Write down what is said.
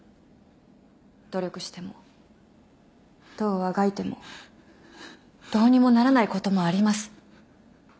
努力してもどうあがいてもどうにもならないこともあります。